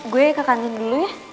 gue ke kangen dulu ya